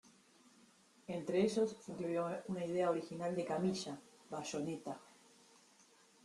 Entre ellos, se incluía una idea original de Kamiya, "Bayonetta".